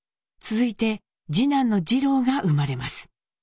続いて次男の二朗が生まれます。